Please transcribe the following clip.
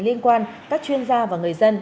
liên quan các chuyên gia và người dân